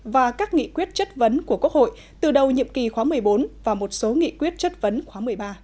và các nghị quyết chất vấn của quốc hội từ đầu nhiệm kỳ khóa một mươi bốn và một số nghị quyết chất vấn khóa một mươi ba